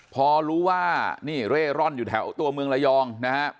พอรู้ว่านี่เร่ร่อนอยู่แถวตัวเมืองระยองนะครับ